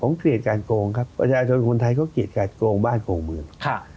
ผมเกลียดการโครงครับประธานาธุรกรณ์คนไทยเกลียดการโครงบ้านโครงเมือง